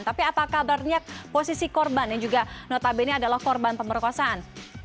tapi apakah banyak posisi korban yang juga notabene adalah korban pemeriksaan